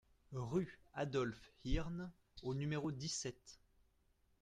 Rue Adolphe Hirn au numéro dix-sept